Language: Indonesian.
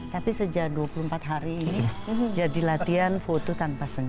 tapi sejak dua puluh empat hari ini jadi latihan foto tanpa sengaja